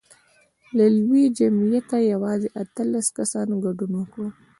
له لوی جمعیته یوازې اتلس کسانو ګډون وکړ.